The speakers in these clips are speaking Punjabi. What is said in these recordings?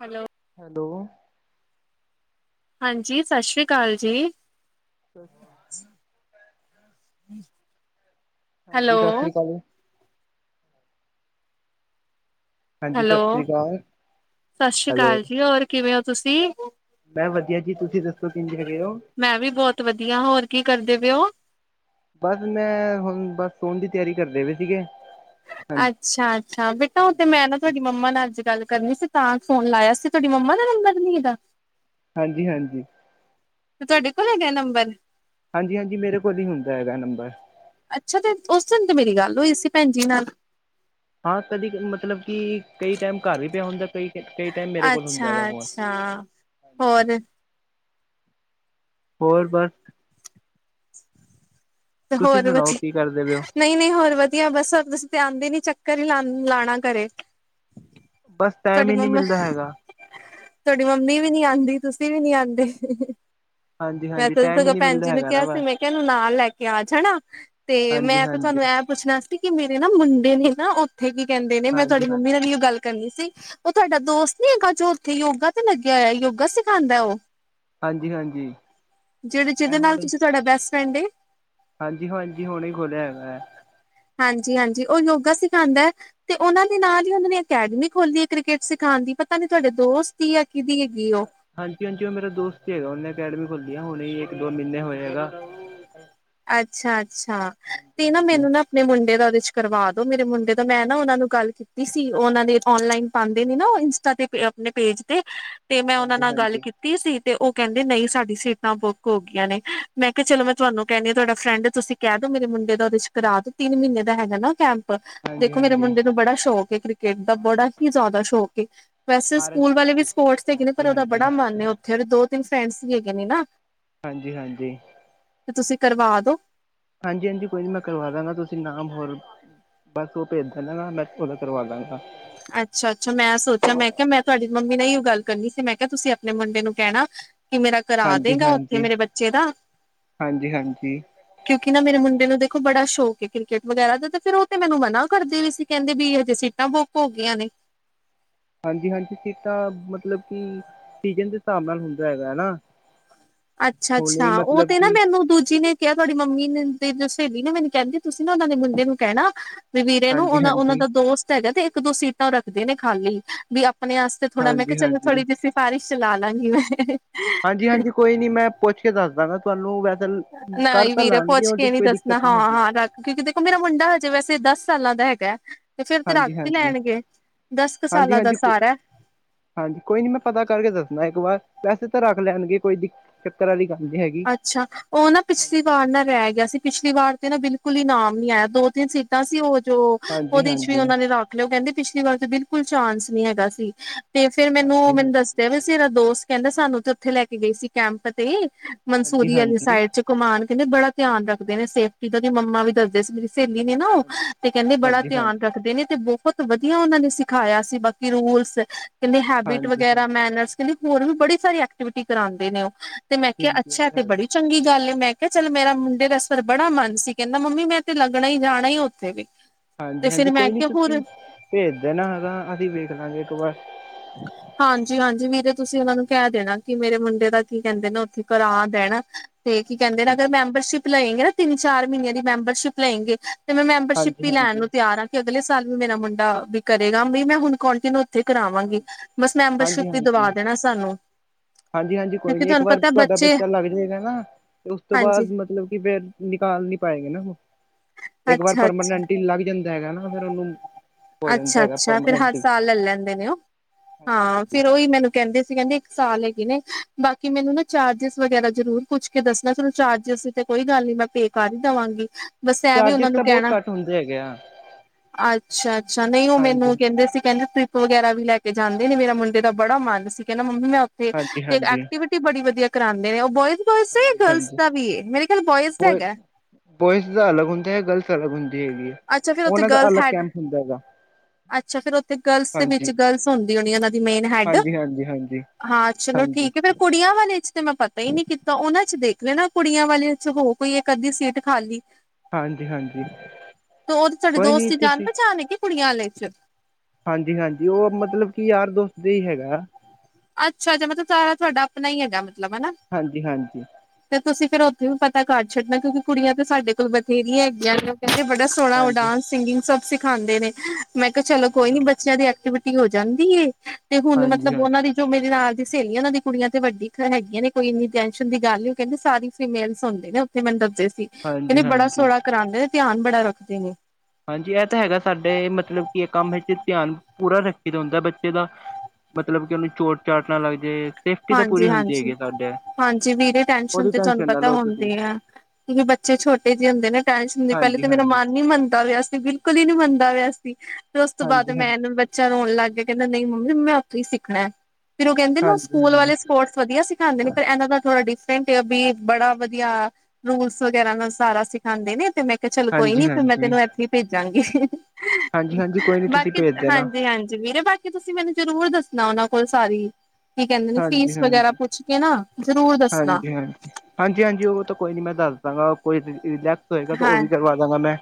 ਹੈਲੋ। ਹੈਲੋ। ਹਾਂਜੀ, ਸਤਿ ਸ਼੍ਰੀ ਅਕਾਲ ਜੀ। ਅੱ। ਹਮ [unintelligible] ਹਾਂਜੀ, ਸਤਿ ਸ਼੍ਰੀ ਅਕਾਲ। ਹਾਂਜੀ ਹੈਲੋ ਸਤਿ ਸ਼੍ਰੀ ਅਕਾਲ। ਸਤਿ ਸ੍ਰੀ ਹੈਲੋ ਅਕਾਲ ਜੀ ਹੋਰ ਕਿਵੇਂ ਹੋ ਤੁਸੀਂ ਮੈਂ ਵਧੀਆ ਜੀ ਤੁਸੀਂ ਦੱਸੋ ਕਿੰਝ ਹੈਗੇ ਹੋ ਮੈਂ ਵੀ ਬਹੁਤ ਵਧੀਆਂ ਹੋਰ ਕੀ ਕਰਦੇ ਪੇ ਓ। ਬਸ ਮੈਂ ਹੁਣ ਬਸ ਸੋਣ ਦੀ ਤਿਆਰੀ ਕਰਦੇ ਪੀ ਸੀਗੇ, ਹਾਂਜੀ ਅੱਛਾ- ਅੱਛਾ ਬੇਟਾ ਉਹ ਤੇ ਹਾਂਜੀ ਮੈਂ ਨਾ ਹਾਂਜੀ ਤੁਹਾਡੀ ਮੰਮਾ ਨਾਲ਼ ਅੱਜ ਗੱਲ ਕਰਨੀ ਸੀ, ਤਾਂ ਫ਼ੋਨ ਲਾਇਆਂ ਸੀ ਤੁਹਾਡੀ ਮੰਮਾ ਦਾ ਨੰਬਰ ਨੀਂ ਹੈਗਾ। ਹਾਂਜੀ- ਹਾਂਜੀ। ਤੇ ਤੁਹਾਡੇ ਕੋਲ ਹੈਗਾ ਨੰਬਰ। ਹਾਂਜੀ -ਹਾਂਜੀ ਮੇਰੇ ਕੋਲ ਹੀ ਹੁੰਦਾ ਹੈਗਾ ਨੰਬਰ। ਅੱਛਾ ਤੇ ਉਸ ਦਿਨ ਤੇ ਮੇਰੀ ਗੱਲ ਹੋਈ ਸੀ ਭੈਣਜੀ ਨਾਲ ਹਾਂ ਕਦੀ, ਮਤਲਬ ਕਿ ਕਈ ਟੈਮ ਘਰ ਵੀ ਪਿਆ ਹੁੰਦਾ ਕਈ ਕਈ ਟੈਮ ਤੇ ਅੱਛਾ - ਅੱਛਾ ਹੋਰ ਹੋਰ ਬਸ ਤੇ ਤੁਸੀਂ ਹੋਰ ਸੁਣਾਓ ਵਧ ਕੀ ਕਰਦੇ ਪਏ ਹੋ ਨਹੀਂ -ਨਹੀਂ ਹੋਰ ਵਧੀਆਂ ਬਸ ਤੁਸੀਂ ਤੇ ਆਂਦੇ ਨੀ ਚੱਕਰ ਹੀ ਲਾ ਲਾਣਾ ਘਰੇਂ। ਬਸ ਟਾਈਮ ਤੁਹਾਡੀ ਹੀ ਨਹੀਂ ਮੰਮਾ ਮਿਲਦਾ ਹੈਗਾ ਤੁਹਾਡੀ ਮੰਮੀ ਵੀ ਨੀਂ ਆਂਦੀ ਤੁਸੀਂ ਵੀ ਨੀ ਆਂਦੇ। ਹਾਂਜੀ ਹਾਂਜੀ ਵੈਸੇ ਟਾਈਮ ਹੀ ਸਗੋਂ ਨਹੀਂ ਮਿਲਦਾ ਭੈਣਜੀ ਨੂੰ ਹੈਗਾ ਨਾ ਕਿਹਾ ਸੀ, ਬਸ ਮੈਂ ਕਿਹਾਂ ਇਹਨੂੰ ਨਾਲ ਲੈ ਕੇ ਆ ਜਾਣਾ ਤੇ ਹਾਂਜੀ ਮੈਂ ਤੇ ਹਾਂਜੀ ਤੁਹਾਨੂੰ ਐ -ਪੁੱਛਣਾ ਸੀ ਕਿ ਮੇਰੇ ਨਾ ਮੁੰਡੇ ਨੇਂ ਨਾ ਉੱਥੇ ਕੀ ਕਹਿੰਦੇ ਨੇ, ਮੈਂ ਹਾਂਜੀ ਤੁਹਾਡੀ ਹਾਂ ਮੰਮੀ ਨਾਲ ਵੀ ਉਹ ਗੱਲ ਕਰਨੀ ਸੀ, ਉਹ ਤੁਹਾਡਾ ਦੋਸਤ ਨੀ ਹੈਗਾ ਜੋ ਉੱਥੇ ਯੋਗਾ ਤੇ ਲੱਗਿਆਂ ਹੋਇਆਂ ਯੋਗਾ ਸਿਖਾਂਦਾ ਓ। ਹਾਂਜੀ -ਹਾਂਜੀ। ਜਿਹਦੇ ਇਹ -ਜਿਹਦੇ ਨਾਲ਼ ਤੁਸੀਂ ਤੁਹਾਡਾ ਬੈਸਟ ਫਰੈਂਡ ਏਂ। ਹਾਂਜੀ -ਹਾਂਜੀ ਹੁਣ ਹੀ ਖੋਲ੍ਹਿਆ ਹੈਗਾ ਐ। ਹਾਂਜੀ- ਹਾਂਜੀ ਉਹ ਯੋਗਾ ਸਿਖਾਦਾ ਐਂ। ਤੇ ਉਹਨਾਂ ਦੇ ਨਾਲ ਹੀ ਉਹਨਾਂ ਨੇ ਅਕੈਡਮੀ ਖੋਲੀ ਹੈ ਕ੍ਰਿਕਟ ਸਿਖਾਣ ਦੀ, ਪਤਾ ਨੀ ਤੁਹਾਡੇ ਦੋਸਤ ਦੀ ਯਾ ਕਿਹਦੀ ਹੈਗੀ ਏਂ। ਹਾਂਜੀ -ਹਾਂਜੀ ਉਹ ਮੇਰਾ ਦੋਸਤ ਹੀ ਹੈਗਾ, ਉਹਨੇ ਅਕੈਡਮੀ ਖੋਲੀ ਐ, ਹੁਣ ਹੀ ਇੱਕ ਦੋ ਮਹੀਨੇ ਹੋਏ ਹੈਗਾ। ਅੱਛਾ- ਅੱਛਾ ਤੇ ਨਾ ਹਾਂਜੀ-ਹਾਂਜੀ, ਮੈਂਨੂੰ ਨਾ। ਮੇਰੇ ਮੁੰਡੇ ਦਾ ਉਹਦੇ ਚ ਕਰਵਾ ਦੋ, ਮੇਰੇ ਮੁੰਡੇ ਦਾ ਮੈਂ ਨਾ ਉਹਨਾਂ ਨੂੰ ਕਾਲ ਕੀਤੀ -ਤੀ ਸੀ ਉਹਨਾਂ ਦੇ ਔਨਲਾਈਨ ਪਾਂਦੇ ਨੇ ਨਾ ਉਹ ਇੰਸਟਾ ਤੇ ਆਪਣੇਂ ਪੇਜ ਤੇ। ਤੇ ਮੈਂ ਉਹਨਾਂ ਨਾਲ਼ ਗੱਲ ਹਾਂਜੀ-ਹਾਂਜੀ, ਕੀਤ -ਤੀ ਸੀ ਤੇ ਉਹ ਕਹਿੰਦੇ, ਨਹੀਂ ਸਾਡੀ ਸੀਟਾਂ ਬੁੱਕ ਹੋ ਗਈਆਂ ਨੇਂ, ਮੈਂ ਕਿਹਾਂ ਚਲੋ ਮੈਂ ਤੁਹਾਂਨੂੰ ਕਹਿੰਨੀ ਆ ਤੁਹਾਡਾ ਫਰੈਡ ਐਂ, ਤੁਸੀ ਕਹਿ ਦੋ ਮੇਰੇ ਮੁੰਡੇ ਦਾ ਉਹਦੇ ਚ ਕਰਾ ਦੋ ਤਿੰਨ ਮਹੀਨੇ ਦਾ ਹੈਗਾ ਨਾ ਉਹ ਕੈਂਪ ਦੇਖੋ ਮੇਰੇ ਹਾਂਜੀ-ਹਾਂਜੀ ਮੁੰਡੇ ਨੂੰ ਬੜਾਂ ਸ਼ੌਕ ਏ ਕ੍ਰਿਕਟ ਦਾ, ਬੜਾ ਹੀ ਜ਼ਿਆਦਾ ਸ਼ੌਕ ਏਂ। ਵੈਸੇ ਆਰ ਸਕੂਲ ਵਾਲੇ ਵੀ ਸਪੋਰਟਸ ਹੈਗੇ ਨੇ ਪਰ ਉਹਦਾ ਹਾਂਜੀ-ਹਾਂਜੀ, ਬੜਾਂ ਮਨ ਏਂ ਉੱਥੇ, ਦੋ ਤਿੰਨ ਫਰੈਂਡਸ ਵੀ ਹੈਗੇ ਨੇ ਨਾ ਹਾਂਜੀ- ਹਾਂਜੀ। ਤੇ ਤੁਸੀਂ ਕਰਵਾ ਦੋ। ਹਾਂਜੀ- ਹਾਂਜੀ ਕੋਈ ਨੀ ਮੈਂ ਕਰਵਾ ਦਾਂਗਾ ਤੁਸੀਂ ਨਾਮ ਹੋਰ ਬਸ ਉਹ ਭੇਜ ਦੇਨਾ ਨਾ, ਮੈਂ ਉਹਦਾ ਕਰਵਾ ਦਾਂਗਾ। ਅੱਛਾ- ਅੱਛਾ ਮੈਂ ਸੋਚਿਆ ਮੈਂ ਕਿਹਾ ਮੈਂ ਤੁਹਾਡੀ ਮੰਮੀ ਨਾਲ ਏਈਓ ਗੱਲ ਕਰਨੀ ਸੀ ਮੈਂ ਕਿਹਾ ਤੁਸੀਂ ਆਪਣੇ ਮੁੰਡੇ ਨੂੰ ਕਹਿਣਾਂ। ਕੀ ਮੇਰਾ ਕਰਾਦੇਗਾ, ਉੱਥੇ ਹਾਂਜੀ-ਹਾਂਜੀ, ਮੇਰੇ ਬੱਚੇ ਦਾ ਹਾਂਜੀ-ਹਾਂਜੀ, ਕਿਉਂਕਿ ਨਾ ਮੇਰੇ ਮੁੰਡੇ ਨੂੰ ਦੇਖੋ ਬੜਾ ਸ਼ੌਕ ਏਂ, ਕ੍ਰਿਕਟ ਵਗੈਰਾ ਦਾ ਤੇ ਫ਼ਿਰ ਉਹ ਤੇ ਮੈਂਨੂੰ ਮਨਾ ਕਰਦੇ ਵੀ ਸੀਂ। ਕਹਿੰਦੇ ਵੀ ਹਜੇ ਸੀਟਾਂ ਬੁੱਕ ਹੋ ਗਈਆਂ ਨੇਂ। ਹਾਂਜੀ- ਹਾਂਜੀ ਸੀਟਾਂ ਮੱਤਲਬ ਕਿ ਸੀਜ਼ਨ ਦੇ ਹਿਸਾਬ ਨਾਲ਼ ਹੁੰਦਾਂ ਹੈਗਾ ਨਾ। ਅੱਛਾ, ਅੱਛਾ ਹੁਣੇ ਉਹ ਮਤਲਬ ਤੇ ਨਾ ਕਿ ਮੈਨੂੰ ਦੂਜੀ ਨੇ ਕਿਹਾ ਤੁਹਾਡੀ ਮੰਮੀ ਨੇ ਦੇ ਜੋ ਸਹੇਲੀ ਨਾ ਮੈਨੂੰ ਕਹਿੰਦੀ ਤੁਸੀਂ ਨਾ ਉਹਨਾਂ ਦੇ ਮੁੰਡੇ ਨੂੰ ਕਹਿਣਾ ਵੀ ਵੀਰੇ ਨੂੰ ਉਹ ਉਹਨਾਂ ਹਾਂਜੀ-ਹਾਂਜੀ, ਦਾ ਦੋਸਤ ਹੈਗਾ ਤੇ ਇੱਕ ਦੋ ਸੀਟਾਂ ਰੱਖਦੇ ਨੇ ਖਾਲੀ ਵੀ ਆਪਣੇ ਵਾਸਤੇ ਥੋੜਾ ਮੈਂ ਕਿਹਾ ਚਲੋ ਹਾਂਜੀ-ਹਾਂਜੀ ਥੋੜ੍ਹੀ ਜਿਹੀ ਸਿਫਾਰਿਸ਼ ਚਲਾ ਲਾਂਗੀ ਮੈਂ ਹਾਂਜੀ, ਹਾਂਜੀ ਕੋਈ ਨੀ ਮੈਂ ਪੁੱਛ ਕੇ ਦੱਸ ਦਾਂਗਾ [unintelligible] ਕਰ ਨਹੀਂ ਤਾਂ ਵੀਰੇ ਲੈਣਗੇ ਪੁੱਛ ਉਹਦੀ ਕੇ ਨੀ ਕੋਈ ਦੱਸਣਾ ਦਿੱਕਤ ਹਾਂ ਨੀ ਹੈਗੀ। ਹਾਂ ਰੱਖ ਕੇ ਕਿਤੇ ਮੇਰਾ ਮੁੰਡਾ ਹਜੇ ਵੈਸੇ ਦਸ ਸਾਲਾਂ ਦਾ ਹੈਗੇ ਤੇ ਫੇਰ ਤੇ ਰੱਖ ਵੀ ਹਾਂਜੀ-ਹਾਂਜੀ, ਹਾਂਜੀ-ਹਾਂਜੀ ਲੈਣਗੇ ਦਸ ਕ ਹਾਂਜੀ ਸਾਲਾਂ ਦਾ ਹਾਂਜੀ ਕੋ ਸਾਰਾ ਹਾਂਜੀ ਕੋਈ ਨੀ ਮੈਂ ਪਤਾ ਕਰਕੇ ਦੱਸਣਾ ਇੱਕ ਵਾਰ ਵੈਸੇ ਤਾਂ ਰੱਖ ਲੈਣਗੇ ਕੋਈ ਚੱਕਰ ਆਲੀ ਗੱਲ ਨਹੀਂ ਹੈਗੀ ਅੱਛਾ ਉਹ ਨਾ ਪਿਛਲੀ ਵਾਰ ਹਾਂਜੀ-ਹਾਂਜੀ। ਨਾ ਰਹਿ ਗਿਆ ਸੀ ਪਿਛਲੀ ਵਾਰ ਤੇ ਨਾ ਬਿਲਕੁਲ ਹੀ ਨਾਮ ਨੀ ਆਇਆ ਦੋ-ਤਿੰਨ ਸੀਟ ਟਾ ਸੀ ਉਹ ਜੋ ਹਾਂਜੀ ਹਾਂ ਉਹਦੇ ਚ ਵੀ ਹਾਂਜੀ-ਹਾਂਜੀ। ਉਹਨਾਂ ਨੇ ਰੱ ਉਹ ਕਹਿੰਦੇ ਪਿਛਲੀ ਵਾਰ ਤੇ ਬਿਲਕੁਲ ਚਾਂਸ ਨੀ ਹੈਗਾ ਸੀ ਤੇ ਫੇਰ ਮੈਨੂੰ ਮੈਨੂੰ ਹਾਂਜੀ-ਹਾਂਜੀ, ਦੱਸ ਸੀ ਦੋਸਤ ਕਹਿੰਦੇ ਸਾਨੂੰ ਤੇ ਉੱਥੇ ਲੈ ਕੇ ਗਈ ਸੀ ਕੈਂਪ ਤੇ ਮਨਸੂਰੀ ਆਲੀ ਹਾਂਜੀ-ਹਾਂਜੀ, ਸਾਈਡ ਚ ਘੁਮਾਨ ਕਹਿੰਦੇ ਬੜਾ ਧਿਆਨ ਹਾਂਜੀ-ਹਾਂਜੀ ਰੱਖਦੇ ਨੇ ਇਹ ਸੇਫਟੀ ਦਾ ਉਹਦੇ ਮੰਮਾ ਵੀ ਦੱਸਦੇ ਸੀ ਮੇ ਸਹੇਲੀ ਨੇ ਨਾ ਉਹ ਤੇ ਕਹਿੰਦੇ ਬੜਾ ਧਿਆਨ ਰੱਖਦੇ ਨੇ ਤੇ ਬਹੁਤ ਵਧੀਆ ਉਹਨਾਂ ਨੇ ਸਿਖਾਇਆ ਸੀ ਬਾਕੀ ਰੂਲਸ ਕਹਿੰਦੇ ਹੈਬਿਟ ਵਗੈਰਾ ਮੈਨਰਸ ਕਹਿੰਦੇ ਹੋਰ ਵੀ ਬੜੀ ਸਾਰੀ ਐਕਟੀਵਿਟੀ ਕਰਾਂਦੇ ਨੇ ਉਹ ਤੇ ਮੈਂ ਅੱਛਾ ਇਹ ਤਾਂ ਤੇ ਹੈਗਾ ਬੜੀ ਚੰਗੀ ਗੱਲ ਏ ਮੈਂ ਕਿਹਾ ਚੱਲ ਮੇਰਾ ਹਾਂਜੀ। ਮੁੰਡੇ ਦਾ ਦਾ ਬੜਾ ਮਨ ਸੀ ਕਹਿੰਦਾ ਮੰਮੀ ਮੈਂ ਤੇ ਲੱਗਣਾ ਈ ਜਾਣਾ ਈ ਉੱਥੇ ਵੇ ਹਾਂਜੀ, ਹਾਂਜੀ ਕੋਈ ਨੀ ਤੁਸੀਂ ਭੇਜ ਦੇਣਾ [unintelligible] ਅਸੀਂ ਵੇਖ ਲਾਂਗੇ ਇੱਕ ਵਾਰ ਹਾਂਜੀ, ਹਾਂਜੀ ਵੀਰੇ ਤੁਸੀਂ ਉਹਨਾਂ ਨੂੰ ਹਾਂਜੀ-ਹਾਂਜੀ, ਕਹਿ ਦੇਣਾ ਕਿ ਮੇਰੇ ਮੁੰਡੇ ਦਾ ਕੀ ਕਹਿੰਦੇ ਨੇ ਉੱਥੇ ਕਰਾ ਦੇਣ ਤੇ ਕੀ ਕਹਿੰਦੇ ਨੇ ਅਗਰ ਹਾਂਜੀ-ਹਾਂਜੀ, ਮੈਂਬਰਸ਼ਿਪ ਲਏਗੇ ਨਾ ਤਿੰਨ ਚਾਰ ਮਹੀਨਿਆਂ ਦੀ ਮੈਂਬਰਸ਼ਿਪ ਲਏਗੇ ਤੇ ਮੈਂ ਮੈਂਬਰਸ਼ਿਪ ਵੀ ਹਾਂਜੀ-ਹਾਂਜੀ, ਹਾਂਜੀ। ਲੈਣ ਨੂੰ ਹਾਂਜੀ ਤਿਆਰ ਆ ਕਿ ਅਗਲੇ ਸਾਲ ਵੀ ਮੇਰਾ ਮੁੰਡਾ ਵੀ ਕਰੇਗਾ ਵੀ ਮੈਂ ਹੁਣ ਕੋਂਟੀਨਿਊ ਉੱਥੇ ਹਾਂਜੀ ਕਰਾਵਾਂਗੀ ਬਸ ਮੈਂਬਰਸ਼ਿਪ ਹਾਂਜੀ ਵੀ ਹਾਂਜੀ ਦਵਾ ਦੇਣਾ ਸਾਨੂੰ ਹਾਂਜੀ, ਹਾਂਜੀ ਕੋਈ ਕਿਉਂਕਿ ਨੀ ਇੱਕ ਤੁਹਾਨੂੰ ਵਾਰ ਪਤਾ ਤੁਹਾਡਾ ਬੱਚੇ ਬੱਚਾ ਲੱਗਜੇਗਾ ਨਾ ਤੇ ਉਸ ਤੋਂ ਹਾਂਜੀ ਬਾਅਦ ਮਤਲਬ ਕਿ ਫੇਰ ਨਿਕਾਲ ਨੀ ਪਾਏਗੇ ਨਾ ਇੱਕ ਵਾਰ ਅੱਛਾ ਅੱਛਾ ਪਰਮਾਨੈਂਟ ਹੀ ਲੱਗ ਜਾਂਦਾ ਹੈਗਾ ਨਾ ਫੇਰ ਉਹਨੂੰ ਹੋ ਜਾਂਦਾ ਅੱਛਾ, ਹੈਗਾ ਅੱਛਾ ਫਿਰ ਹਰ ਪਰਮਾਨੈਂਟਲੀ ਸਾਲ ਲੈ ਲੈਂਦੇ ਨੇ ਉਹ ਹਾਂਜੀ ਹਾਂ ਹਾਂਜੀ ਫੇਰ ਉਹੀ ਮੈਨੂੰ ਕਹਿੰਦੇ ਸੀ ਕਹਿੰਦੇ ਇੱਕ ਸਾਲ ਹੈਗੇ ਨੇ ਬਾਕੀ ਮੈਨੂੰ ਨਾ ਚਾਰਜਿਸ ਵਗੈਰਾ ਜ਼ਰੂਰ ਪੁੱਛ ਕੇ ਦੱਸਣਾ ਤੁਹਾਨੂੰ ਚਾਰਜਿਸ ਤੇ ਕੋਈ ਗੱਲ ਨੀ ਮੈਂ ਪੇਅ ਕਰ ਹੀ ਦਵਾਂਗੀ ਬਸ ਇਹ ਵੀ ਚਾਰਜਿਸ ਉਹਨਾਂ ਨੂੰ ਤਾਂ ਬਹੁਤ ਕਹਿਣਾ, ਘੱਟ ਹੁੰਦੇ ਹੈਗੇ ਆ ਅੱਛਾ, ਅੱਛਾ ਨਹੀਂ ਉਹ ਹਾਂਜੀ ਮੈਨੂੰ ਕਹਿੰਦੇ ਦੇ ਸੀ ਕਹਿੰਦੇ ਟਰੀਪ ਵਗੈਰਾ ਵੀ ਲੈ ਕੇ ਜਾਂਦੇ ਨੇ ਮੇਰਾ ਮੁੰਡੇ ਦਾ ਬੜਾ ਮਨ ਸੀ ਕਹਿੰਦਾ ਮੰਮੀ ਮੈਂ ਤੇ ਹਾਂਜੀ ਹਾਂਜੀ ਐਕਟੀਵਿਟੀ ਬੜੀ ਵਧੀਆ ਕਰਾਂਦੇ ਨੇ ਉਹ ਬਹੁਤ ਬੋਇਜ ਦਾ ਜਾਂ ਹਾਂਜੀ ਗਰਲਸ ਹਾਂਜੀ ਦਾ ਵੀ ਐ ਮੇਰੇ ਖਿਆਲ ਬੋਇਜ਼ ਦਾ ਬੋਏ ਹੈਗਾ ਬੋਇਜ਼ ਦਾ ਅਲੱਗ ਹੁੰਦਾ ਹੈ ਗਰਲਸ ਅਲੱਗ ਹੁੰਦੀ ਹੈਗੀ ਅੱਛਾ ਫੇਰ ਉੱਥੇ ਉਹਨਾਂ ਦਾ ਗਰਲਸ ਅਲੱਗ ਹੈਡ ਕੈਂਪ ਹੁੰਦਾ ਹੈਗਾ ਅੱਛਾ ਫਿਰ ਉੱਥੇ ਗਰਲਸ ਦੇ ਵਿੱਚ ਹਾਂਜੀ ਗਰਲਸ ਹੁੰਦੀ ਹੋਣੀ ਉਹਨਾਂ ਦੀ ਮੇਨ ਹੈੱਡ ਹਾਂਜੀ ਹਾਂਜੀ, ਹਾਂਜੀ। ਹਾਂ ਚਲੋ ਹਾਂਜੀ ਠੀਕ ਏ ਫੇਰ ਕੁੜੀਆਂ ਵਾਲੇ ਚ ਤੇ ਮੈਂ ਪਤਾ ਹੀ ਨਹੀਂ ਕੀਤਾ ਉਹਨਾਂ ਚ ਦੇਖ ਲੈਣਾ ਕੁੜੀਆਂ ਵਾਲਿਆਂ ਚ ਹੋਰ ਕੋਈ ਇੱਕ ਅੱਧੀ ਸੀਟ ਖਾਲੀ। ਹਾਂਜੀ, ਹਾਂਜੀ। ਦੋਸਤ ਤੁਹਾਡੇ ਤੁਹਾਡੇ ਕੋਈ ਦੋਸਤ ਨੀ ਦੀ ਜਾਣ ਤੁਸੀਂ ਪਚਾਣ ਆ ਕਿ ਕੁੜੀਆਂ ਆਲੇ ਚ ਹਾਂਜੀ, ਹਾਂਜੀ ਉਹ ਮਤਲਬ ਕਿ ਯਾਰ ਦੋਸਤ ਦਾ ਹੀ ਹੈਗਾ। ਅੱਛਾ-ਅੱਛਾ ਮਤਲਬ ਸਾਰਾ ਤੁਹਾਡਾ ਆਪਣਾ ਹੀ ਹੈਗਾ ਮਤਲਬ ਹਨਾ ਹਾਂਜੀ-ਹਾਂਜੀ। 'ਤੇ ਤੁਸੀਂ ਫੇਰ ਉੱਥੇ ਵੀ ਪਤਾ ਕਰ ਛੱਡਣਾ ਕਿਉਂਕਿ ਕੁੜੀਆਂ 'ਤੇ ਸਾਡੇ ਕੋਲ ਬਥੇਰੀਆਂ ਹੈਗੀਆਂ ਨੇ ਓ ਕਹਿੰਦੇ ਬੜਾ ਸੋਹਣਾ ਓ ਹਾਂਜੀ ਡਾਂਸ, ਸਿਗਿੰਗ ਸਭ ਸਿਖਾਂਦੇ ਨੇ ਮੈਂ ਕ ਚਲੋ ਹਾਂਜੀ ਹਾਂਜੀ ਕੋਈ ਨੀ ਹਾਂਜੀ ਬੱਚਿਆਂ ਦੀ ਐਕਟੀਵੀ ਟੀ ਹੋ ਜਾਂਦੀ ਏ 'ਤੇ ਹੁਣ ਹਾਂਜੀ ਮਤਲਬ ਉਨਾਂ ਦੀ ਜੋ ਮੇਰੇ ਨਾਲ ਦੀ ਸੇਲੀ ਉਨਾਂ ਦੀ ਕੁੜੀਆਂ 'ਤੇ ਵੱਡੀ ਹੈਗੀਆਂ ਨੇ ਕੋਈ ਇੰਨੀ ਟੈਂਸ਼ਨ ਦੀ ਗੱਲ ਓ ਕਹਿੰਦੀ ਸਾਰੀ ਫੀਮੇਲਸ ਹੁੰਦੇ ਨੇ ਉ ਥੇ ਮੈਨੂੰ ਦੱਸਦੇ ਸੀ ਹਾਂਜੀ ਕਹਿੰਦੇ ਬੜਾ ਹਾਂਜੀ ਸੋਹਣਾ ਕਰਾਂਦੇ ਨੇ ਧਿਆਨ ਬੜਾ ਰੱਖਦੇ ਨੇ। ਹਾਂਜੀ ਐ ਤਾਂ ਹੈਗਾ ਸਾਡੇ ਮਤਲਬ ਕਿ ਏ ਕੰਮ ਵਿੱਚ ਧਿਆਨ ਪੂਰਾ ਰੱਖੀ ਦਾ ਹੁੰਦਾ ਬੱਚੇ ਦਾ। ਮਤਲਬ ਕਿ ਉਨੂੰ ਚੋਟ ਚਾਟ ਨਾ ਲੱਗ ਜੇ ਸੇਫਟੀ ਤਾਂ ਪੂਰੀ ਹਾਂਜੀ ਹੁੰਦੀ ਹੈਗੀ ਹਾਂਜੀ ਆ ਸਾਡੇ। ਹਾਂਜੀ ਵੀਰੇ ਟੈਨਸ਼ਨ ਉਹਦੀ 'ਤੇ ਤੁਹਾਨੂੰ ਨਾ ਪਤਾ ਲਓ ਤੁਸੀਂ ਹੁੰਦੀ ਹੈ। ਕਿਉਂਕਿ ਬੱਚੇ ਛੋਟੇ ਜੇ ਹੁੰਦੇ ਨੇ ਟੈਂਨਸ਼ਨ ਦੇ ਪਹਿਲੇ ਹਾਂਜੀ ਤਾਂ ਮੇਰਾ ਹਾਂਜੀ ਮਨ ਨੀ ਮੰਨਦਾ ਪਿਆ ਸੀ ਬਿਲ ਕੁਲ ਈ ਨੀ ਮੰਨਦਾ ਪੈ ਆ ਸੀ ਫੇਰ ਉਸ ਤੋਂ ਬਾਅਦ ਹਾਂਜੀ ਹਾਂ ਮੈਂਨੂੰ ਬੱ ਚਾ ਰੋਣ ਲਾਗੇ ਕਹਿੰਦਾ ਨਈ ਮੰਮੀ ਮੈਂ ਉਥੋਂ ਈ ਸਿੱਖਣਾ‌ ਐ ਫੇਰ ਓ ਕਹਿੰਦੇ ਨਾ ਹਾਂਜੀ ਸਕੂਲ ਹਾਂਜੀ ਵਾਲੇ ਸਪੋਰਟਸ ਵਧੀਆ ਸਿਖਾਂਦੇ ਨੇ ਪਰ ਐਨਾ ਦਾ ਥੋੜਾ ਡੀਫ ਰੇਟ ਏ ਓ ਬੀ ਬੜਾ ਵਧੀਆ ਰੂਲਸ ਵਗੈਰਾ ਨਾ ਸਾਰਾ ਸਿਖਾਂਦੇ ਨੇ 'ਤੇ ਮੈਂ ਕੇ ਚਲੋ ਕੋਈ ਹਾਂਜੀ ਨੀ ਫਿਰ ਮੈਂ ਹਾਂਜੀ ਤੈਨੂੰ ਐਥੀ ਭੇਜਾਂਗੀ। ਹਾਂਜੀ ਹਾਂਜੀ ਕੋਈ ਨੀ ਤੁਸੀਂ ਬਾਕੀ ਭੇਜ ਦੇਣਾ ਹਾਂਜੀ-ਹਾਂਜੀ ਵੀਰੇ ਬਾ ਕੀ ਤੁਸੀਂ ਮੈਨੂੰ ਜ਼ਰੂਰ ਦੱਸਣਾ ਉਨਾਂ ਕੋਲ ਸਾਰੀ ਕੀ ਕਹਿੰਦੇ ਨੇ ਹਾਂਜੀ ਫੀਸ ਵਗੈਰਾ ਹਾਂਜੀ ਪੁੱਛ ਕੇ ਨਾ ਜ਼ਰੂਰ ਦੱਸਣਾ। ਹਾਂਜੀ-ਹਾਂਜੀ ਓ ਤਾਂ ਕੋਈ ਨੀ ਮੈਂ ਦੱਸ ਦਾਂਗਾ ਕੋਈ ਰੀ ਰਿਲੈਕਸ ਹੋਏਗਾ ਤਾਂ ਓ ਵੀ ਕਰਵਾ ਦਾਂਗਾ ਮੈਂ।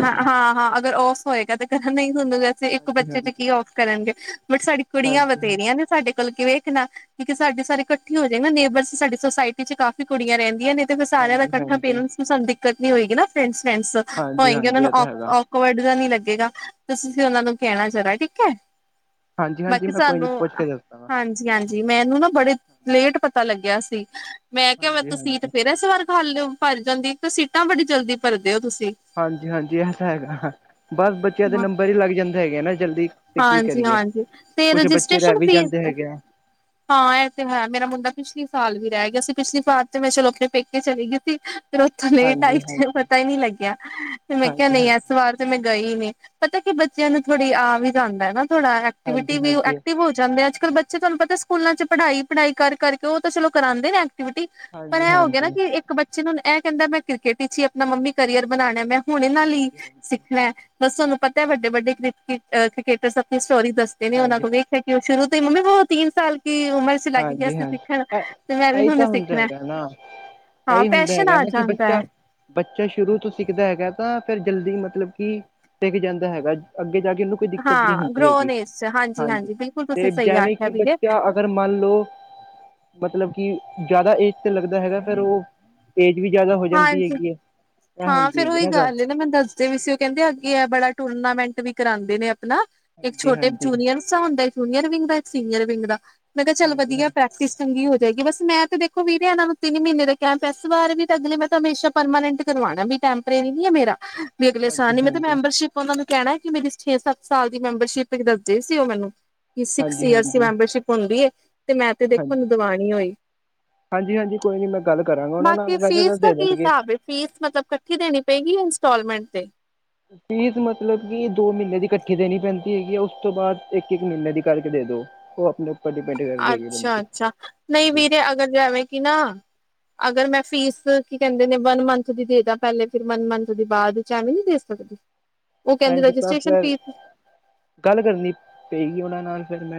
ਹਾਂ-ਹਾਂ-ਹਾਂ ਅਗਰ ਔਫ ਹੋਏਗਾ 'ਤੇ ਕਰਨ ਨਈ ਹੁੰਦਾ ਤੇ ਤੁਸੀਂ ਇੱਕ ਹਾਂਜੀ ਬੱਚੇ 'ਤੇ ਹਾਂਜੀ ਕੀ ਔਫ ਕਰਨਗੇ ਬਟ ਸਾਡੀ ਕੁੜੀਆਂ ਹਾਂਜੀ ਹਾਂ ਵਥੇਰੀਆਂ ਨੇ ਸਾਡੇ ਕੋਲ ਕਿ ਵੇਖਣਾ ਕਿਉਂਕਿ ਸਾਡੇ ਸਾਰੇ ਇਕੱਠੇ ਹੋ ਜਾਏ ਨਾ ਨੇਬਰਸ ਸਾਡੀ ਸੋਸਾਇਟੀ 'ਚ ਕਾਫੀ ਕੁੜੀਆਂ ਰਹਿੰਦੀਆਂ ਨੇ 'ਤੇ ਫਿਰ ਸਾਰਿਆਂ ਦਾ ਹਾਂਜੀ ਕੱਠਾ ਹਾਂਜੀ ਪੇਰੈਂਟਸ ਨੂੰ ਸਾਨੂੰ ਦਿੱਕਤ ਨੀ ਹੋਏਗੀ ਨਾ ਫਰੈਂਡਸ-ਫਰੈਂਡਸ ਹਾਂਜੀ ਹੋਏਗੇ ਉਨਾਂ ਹਾਂਜੀ ਨੂੰ ਇਹ ਤਾਂ ਹੈਗਾ ਔ ਕਵਰਡ ਜਾਂ ਨੀ ਲੱਗੇਗਾ 'ਤੇ ਤੁਸੀਂ ਉਨਾਂ ਨੂੰ ਕੈਣਾ ਜਰਾ ਠੀਕ ਐ। ਹਾਂਜੀ ਹਾਂਜੀ ਬਾਕੀ ਮੈਂ ਕੋਈ ਨੀ ਸਾਨੂੰ, ਪੁੱਛ ਕੇ ਦੱਸਦਾ ਵਾ ਹਾਂ ਜੀ-ਹਾਂਜੀ ਮੈਨੂੰ ਨਾ ਬੜੇ ਲੇਟ ਪਤਾ ਲੱਗਿਆ ਸੀ ਮੈਂ ਕੇਆ ਮੈਂ ਹਾਂਜੀ ਤੋਂ ਸੀਟ ਹਾਂਜੀ ਫੇਰ ਐਸ ਵਾਰ ਖਾਲੀ ਓ ਭਰ ਜਾਂਦੀ 'ਤੇ ਸੀਟਾਂ ਬੜੀ ਜਲਦੀ ਭਰਦੇ ਓ ਤੁਸੀਂ। ਹਾਂਜੀ-ਹਾਂਜੀ ਏ ਤਾਂ ਹੈਗਾ ਬਸ ਬੱਚਿਆਂ ਦੇ ਨੰਬਰ ਈ ਲੱਗ ਜਾਂਦੇ ਹੈਗੇ ਆ ਨਾ ਜਲਦੀ 'ਤੇ ਕੀ ਕਰੀਏ, ਹਾਂਜੀ-ਹਾਂਜੀ ਤੇ ਕੁਛ ਬੱਚੇ ਰੈ ਰਜਿਸਟ੍ਰੇਸ਼ਨ ਵੀ ਫੀਸ ਜਾਂਦੇ ਹੈਗੇ ਆ। ਹਾਂ ਐ 'ਤੇ ਹੈ ਮੇਰਾ ਮੁੰਡਾ ਪਿਛਲੀ ਸਾਲ ਵੀ ਰਹਿ ਗਿਆ ਸੀ ਪਿਛਲੀ ਸਾਲ 'ਤੇ ਮੈਂ ਚਲੋ ਆਪਣੇ ਪੇਕੇ ਚਲੀ ਗੀ ਸੀ। ਫਿਰ ਉੱਥੋਂ ਲੇਟ ਆਈ ਹਾਂਜੀ ਹਾਂਜੀ ਪਤਾ ਈ ਨੀ ਲੱਗਿਆ 'ਤੇ ਮੈਂ ਕਿਹਾ ਹਾਂਜੀ ਨਈ ਐਸ ਹਾਂਜੀ ਵਾਰ 'ਤੇ ਮੈਂ ਗਈ ਨਈ ਪਤਾ ਕਿ ਬੱਚਿਆਂ ਨੂੰ ਥੋੜੀ ਆ ਵੀ ਜਾਂਦਾ ਨਾ ਥੋੜਾ ਐ ਕਵਿਟੀ ਹਾਂਜੀ ਵੀ ਓ ਹਾਂਜੀ ਐਕਟਿਵ ਹੋ ਜਾਂਦੇ ਅੱਜ-ਕੱਲ ਬੱ ਚੇ ਤੁਹਾਨੂੰ ਪਤਾ ਸਕੂਲਾਂ 'ਚ ਪੜਾਈ-ਪੜਾਈ ਕਰ ਕਰਕੇ ਓ ਤਾਂ ਚਲੋ ਕਰਾਂਦੇ ਨੇ ਐਕਟੀਵਿਟੀ ਪਰ ਹਾਂਜੀ ਹਾਂਜੀ ਐ ਹੋ ਗਿਆ ਨਾ ਹਾਂਜੀ ਕਿ ਇੱਕ ਬੱਚੇ ਨੂੰ ਐ ਕਹਿੰਦਾ ਮੈਂ ਕ੍ਰਿਕਟ ਵਿੱਚ ਈ ਆਪਣਾ ਮੰਮੀ ਕਰੀਅਰ ਬਣਾਨਾ ਐ ਮੈਂ ਹੁਣ ਏਨਾਂ ਲਈ ਹਾਂਜੀ ਸਿੱਖਣਾ ਐ ਬਸ ਤੁਹਾਨੂੰ ਪਤਾ ਐ ਵੱਡੇ-ਵੱਡੇ ਕ੍ਰਿਕ ਅ ਕ੍ਰਿਕੇਟਰ ਆਪਣੀ ਸਟੋਰੀ ਦੱਸ ਤੇਮੇ ਉਨਾਂ ਹਾਂਜੀ ਕੋ ਵੇਖਿਆ ਕਿ ਓ ਸ਼ੁਰੂ ਤੋਂ ਈ ਮੰਮੀ ਵੋ ਤਿੰਨ ਸਾਲ ਕੀ ਉਮਰ 'ਚ ਲੱਗ ਗਿਆ ਹਾਂਜੀ ਸੀ ਹਾਂਜੀ ਸਿੱਖਣ 'ਤੇ ਮੈਂ ਇਹ ਵੀ ਇਹੀ ਹੁਣੇ ਤਾਂ ਹੁੰਦਾ ਸਿੱਖਣੈ। ਹੈਗਾ ਨਾ ਹਾਂ ਇਹੀ ਹੁੰਦਾ ਪੈਸ਼ਨ ਹੈਗਾ ਆ ਨਾ ਕਿ ਜਾਂਦਾ ਬੱਚਾ ਐ। ਬੱਚਾ ਸ਼ੁਰੂ ਤੋਂ ਸਿੱਖਦਾ ਹੈਗਾ ਤਾਂ ਫਿਰ ਜਲਦੀ ਮਤਲਬ ਕਿ ਟਿੱਕ ਜਾਂਦਾ ਹੈਗਾ ਅੱਗੇ ਜਾ ਕੇ ਉਨੂੰ ਕੋਈ ਦਿੱਕਤ ਨੀ ਹਾਂ ਹੁੰਦੀ ਹੈਗੀ, ਗਰੋਨ ਏਜ ਚ ਹਾਂਜੀ ਬਿਲਕੁਲ ਤੁਸੀਂ 'ਤੇ ਸਹੀ ਜੇਵੇ ਆਖਿਆ ਕਿ ਵੀਰੇ ਬੱਚਾ ਅਗਰ ਮੰਨ ਲੋ, ਮਤਲਬ ਕਿ ਜ਼ਿਆਦਾ ਏਜ 'ਤੇ ਲੱਗਦਾ ਹੈਗਾ ਫੇਰ ਓ ਏਜ ਵੀ ਜ਼ਿਆਦਾ ਹੋ ਜਾਂਦੀ ਹਾਂਜੀ ਹੈਗੀ ਐ। ਹਾਂ ਫਿਰ ਉਹੀ ਗੱਲ ਨਾ ਮੈਨੂੰ ਦੱਸਦੇ ਵੀ ਸੀ ਓ ਕਹਿੰਦੇ ਅੱਗੇ ਐ ਬੜਾ ਟੂਰਨਾਮੈਂਟ ਵੀ ਕਰਾਂਦੇ ਨੇ ਆਪਣਾ ਇੱਕ ਹਾਂਜੀ ਛੋਟੇ ਹਾਂਜੀ ਜੂਨੀਅਰਸ ਹੁੰਦਾ ਜੂਨੀਅਰ ਵਿੰਗ ਦਾ ਇੱਕ ਸੀਨੀਅਰ ਵਿੰਗ ਦਾ ਮੈਂ ਕਿਹਾ ਚੱਲ ਹਾਂਜੀ ਹਾਂ ਵਧੀਆ ਪੈ ਚੰਗੀ ਹੋ ਜਾਏਗੀ ਬਸ ਮੈਂ ਤਾਂ ਦੇਖੋ ਵੀਰੇ ਐਨਾਂ ਨੂੰ ਤਿੰਨ ਮੀਨੇ ਦਾ ਕੈ ਇਸ ਵਾਰ ਵੀ ਤਾਂ ਅਗਲੇ ਮੈਂ ਤਾਂ ਹਮੇਸ਼ਾ ਪਰਮਾਨੈਂਟ ਕਰਵਾਣਾ ਵੀ ਟੈਂਪਰੇਰੀ ਨੀ ਐ ਮੇਰਾ ਵੀ ਅਗਲੇ ਸਾਲ ਹਾਂਜੀ ਨੀ ਮੈਂ ਤੇ ਹਾਂਜੀ ਮੈਂਬਰਸ਼ਿਪ ਓਨਾਂ ਨੂੰ ਕੈਣਾ ਕੀ ਮੇਰੀ ਛੇ ਸੱਤ ਸਾਲ ਦੀ ਮੈਂਬਰਸ਼ਿਪ ਦੱਸਦੇ ਸੀ ਓ ਮੈਨੂੰ ਕੀ ਸਿਕਸ ਹਾਂਜੀ ਈਅਰਸ ਦੀ ਹਾਂਜੀ ਮੈਂਬਰਸ਼ਿਪ ਹੁੰਦੀ ਏ ਤੇ ਮੈਂ ਤੇ ਦੇਖੋ ਦਵਾਣੀ ਹੋਈ ਹਾਂਜੀ-ਹਾਂਜੀ ਕੋਈ ਨਈ ਮੈਂ ਗੱਲ ਕਰਾਂਗਾ ਓਨਾ ਨਾਲ ਬਾਕੀ ਵੈਸੇ ਤਾਂ ਫੀਸ ਦਾ ਦੇ ਦ ਕੀ ਹਿਸਾਬ ਏ ਫੀਸ ਮਤਲਬ ਇਕੱਠੀ ਦੇਣੀ ਪਏਗੀ ਯਾ ਇੰਸਟੌਲਮੈਂਟ ਤੇ? ਫੀਸ ਮਤਲਬ ਕੀ ਦੋ ਮੀਨੇ ਦੀ ਕੱਠੀ ਦੇਣੀ ਪੈਂਦੀ ਹੈਗੀ ਆ ਉਸ ਤੋਂ ਬਾਦ ਇੱਕ-ਇੱਕ ਮੀਂਨੇ ਦੀ ਕਰਕੇ ਦੇ ਦੋ। ਓ ਅਪਣੇ ਤੇ ਡਿਪੇਂਡ ਅੱਛਾ-ਅੱਛਾ ਨਈ ਵੀਰੇ ਅਗਰ ਜੈਂਵੇ ਕੀ ਨਾ ਅਗਰ ਮੈਂ ਫੀਸ ਕੀ ਕੈਂਦੇ ਨੇ ਵਨ ਮੰਥ ਦੀ ਦੇ ਦਾ ਪੈਲੇ ਫੇਰ ਵਨ ਮੰਥ ਦੀ ਬਾਦ ਚ ਐਵੇਂ ਨੀ ਦੇ ਸਕਦੀ? ਓ ਕੈਂਦੇ ਭੈਣ ਜੀ ਤਾਂ ਰਜਿਸਟ੍ਰੇਸ਼ਨ ਫਿਰ ਫੀਸ ਗੱਲ ਕਰਨੀ ਪਏਗੀ ਓਨਾਂ ਨਾਲ ਫਿਰ ਮੈ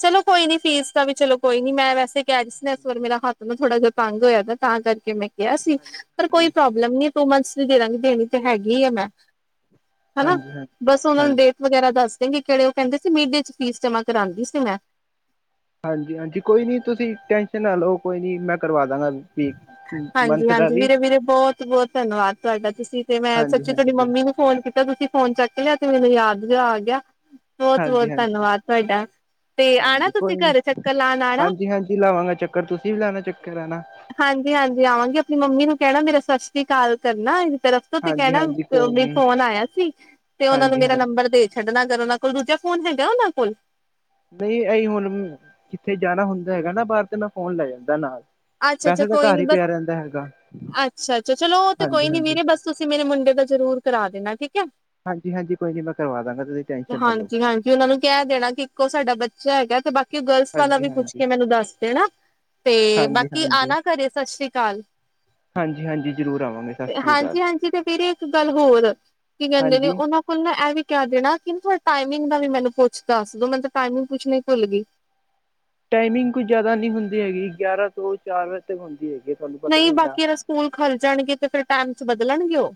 ਚਲੋ ਕੋਈ ਨੀ ਫੀਸ ਦਾ ਵੀ ਚਲੋ ਕੋਈ ਨੀ ਮੈਂ ਵੈਸੇ ਕੈ ਰੀ ਸੀ ਇਸ ਵਾਰ ਮੇਰਾ ਹੱ ਥ ਨਾ ਥੋੜਾ ਜਾ ਤੰਗ ਹੋਇਆ ਪਿਆ ਨਾ ਤਾਂ ਕਰਕੇ ਮੈਂ ਕਿਆ ਸੀ ਪਰ ਕੋਈ ਪ੍ਰੋਬ ਲੰਮੀ ਟੁ ਮੰਥਸ ਦੀ ਦੇ ਦਾਂਗੀ ਦੇਣੀ ਤੇ ਹੈਗੀ ਆ ਮੈਂ ਹਨਾ ਹਾਂਜੀ ਹਾਂਜੀ ਬਸ ਉਨਾਂ ਨੂੰ ਹਾਂਜੀ ਦੇ ਵਗੈਰਾ ਦੱਸ ਦੇਂਗੇ ਕੇੜੇ ਓ ਕੈਂਦੇ ਸੀ ਮੀ ਡੇ ਚ ਫੀਸ ਜਮਾਂ ਕਰਾਂਦੀ ਸੀ। ਮੈਂ ਹਾਂਜੀ-ਹਾਂਜੀ ਕੋਈ ਨੀ ਤੁਸੀਂ ਟੈਸ਼ਨ ਨਾ ਲਓ ਕੋਈ ਨੀ ਮੈਂ ਕਰਵਾ ਦਾਂਗਾ। ਵੀ ਮੰਥ ਦਾ ਹਾਂਜੀ-ਹਾਂਜੀ ਵੀ ਵੀਰੇ-ਵੀਰੇ ਬੋਤ-ਬੋਤ ਧੰਨਵਾਦ ਤੁਹਾਡਾ ਤੁਸੀਂ ਤੇ ਮੈਂ ਹਾਂਜੀ ਸੱਚੀ ਹਾਂਜੀ ਤੁਹਾਡੀ ਜੀ ਮੰਮੀ ਨੂੰ ਫੋਨ ਕੀਤਾ ਤੁਸੀਂ ਫੋਨ ਚੱਕ ਲਿਆ ਤੇ ਮੈਨੂੰ ਯਾਦ ਜਾ ਆ ਗਿਆ। ਬੋਤ-ਬੋਤ ਹਾਂਜੀ ਹਾਂਜੀ ਧੰਨਵਾਦ ਤੁਹਾਡਾ। ਤੇ ਆਣਾ ਹਾਂਜੀ ਤੁਸੀਂ ਕੋਈ ਨੀ ਘਰ ਚੱਕਰ ਲਾਣ ਆਣਾ? ਕਰ ਤੁਸੀਂ ਵੀ ਲਾਣਾ ਚੱਕਰ ਆਣਾ। ਹਾਂਜੀ-ਹਾਂਜੀ ਆਵਾਂਗੀ ਆਪਣੀ ਮੰਮੀ ਨੂੰ ਕੈਣਾ ਮੇਰਾ ਸਸ ਸ੍ਰੀ ਕਾਲ ਕਰਨਾ [unintelligible] ਤਰਫ ਤੋ ਤੇ ਹਾਂਜੀ ਕੈਣਾ ਹਾਂਜੀ ਤੇ ਓ ਕੋਈ ਵੀ ਨੀ ਫੋਨ ਆਇਆ ਸੀ ਤੇ ਓਨਾ ਨੂੰ ਹਾਂਜੀ ਮੇਰਾ ਹਾਂਜੀ ਨੰਬਰ ਦੇ ਛੱਡਣਾ ਕਰਨਾ ਕੋਲ ਦੂਜਾ ਫੋਨ ਹੈਗਾ ਓਨਾਂ ਕੋਲ? ਨਈ ਏ ਈ ਹੁਣ ਕਿੱਥੇ ਜਾਣਾ ਹੁੰਦਾ ਹੈਗਾ ਨਾ ਬਾਰ ਤੇ ਮੈਂ ਫੋਨ ਲੈ ਜਾਂਦਾ ਨਾਲ। ਅੱਛਾ-ਅੱਛਾ ਵੈਸੇ ਤਾਂ ਕੋਈ ਘਰ ਨੀ ਹੀ ਬਸ ਪਿਆ ਰਹਿੰਦਾ ਹੈਗਾ ਅੱਛਾ-ਅੱਛਾ ਚਲੋ ਓ ਤੇ ਹਾਂਜੀ ਕੋਈ ਨੀ ਹਾਂਜੀ ਵੀਰੇ ਬਸ ਤੁਸੀਂ ਮੇਰੇ ਮੁੰਡੇ ਦਾ ਜ਼ਰੂਰ ਕਰਾ ਦੇਣਾ ਠੀਕ ਐ। ਹਾਂਜੀ-ਹਾਂਜੀ ਕੋਈ ਨੀ ਮੈਂ ਕਰਵਾ ਦਾਂਗਾ ਤੁਸੀਂ ਟੈਂਨਸ਼ਨ ਨਾ ਲੋ। ਵੀ ਓਨਾਂ ਨੂੰ ਕੈ ਦੇਣਾ ਕੀ ਇੱਕੋ ਸਾਡਾ ਬੱਚਾ ਹੈਗੈ ਤੇ ਬਾ ਕੀ ਗਰਲਸ ਵਾਲਾ ਹਾਂਜੀ ਵੀ ਪੁੱਛ ਹਾਂਜੀ ਕੇ ਮੈਨੂੰ ਦੱਸ ਦੇਣਾ ਤੇ ਹਾਂਜੀ ਬਾਕੀ ਹਾਂਜੀ ਆਣਾ ਘਰੇ ਸਸ ਸ੍ਰੀ ਕਾਲ। ਹਾਂਜੀ ਹਾਂਜੀ ਜ਼ਰੂਰ ਆਵਾਂਗੇ ਸਤਿ ਸ਼੍ਰੀ ਅਕਾਲ ਹਾਂਜੀ-ਹਾਂਜੀ ਤੇ ਵੀਰੇ ਇੱਕ ਗੱਲ ਹੋਰ ਕੀ ਕੈਂਦੇ ਨੇ ਹਾਂਜੀ ਓਨਾਂ ਕੁਲ ਨਾ ਐ ਵੀ ਕੈ ਦੇਣਾ ਕੀ ਨਾ ਥੋਂ ਟਾਈਮਿੰਗ ਦਾ ਵੀ ਮੈਨੂੰ ਪੁੱਛ ਦੱਸ ਦੋ ਮੈਨੂੰ ਤਾਂ ਟਾਈਮਿੰਗ ਪੁੱਛਣੀ ਭੁੱਲ ਗੀ। ਟਾਈਮਿੰਗ ਕੋਈ ਜਾਦਾ ਨੀ ਹੁੰਦੀ ਹੈਗੀ ਗਿਆਰਾਂ ਤੋਂ ਚਾਰ ਵਜੇ ਤੱਕ ਹੁੰਦੀ ਹੈਗੀ। ਤੁਹਾਨੂੰ ਪਤਾ ਹੀ ਨਈ ਹੋਣਾ ਬਾਕੀ ਅਰ ਸਕੂਲ ਖੱਲ ਜਾਣਗੇ ਤੇ ਫੇਰ ਟੈਮ ਚ ਬਦਲਣਗੇ ਓ?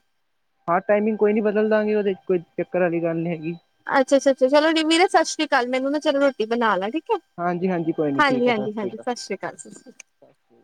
ਹਾਂ ਟਾਈਮਿੰਗ ਕੋਈ ਨੀ ਬਦਲ ਦਾਂਗੇ ਉਦੇ ਕੋਈ ਚੱਕਰ ਆਲੀ ਗੱਲ ਨੀ ਹੈਗੀ। ਅੱਛਾ-ਅੱਛਾ ਛਾ ਚਲੋ ਵੀਰੇ ਸਸ ਸ੍ਰੀ ਕਾਲ ਮੈਂਨੂੰ ਨਾ ਚਲੋ ਰੋਟੀ ਬਣਾ ਲਾ ਠੀ ਕੈ ਹਾਂਜੀ ਹਾਂਜੀ ਕੋਈ ਨੀ ਠੀਕ ਆ ਸਤਿ ਸ਼੍ਰੀ ਹਾਂਜੀ-ਹਾਂਜੀ-ਹਾਂਜੀ ਸਸ ਸ੍ਰੀ ਕਾਲ ਸ ਅਕਾਲ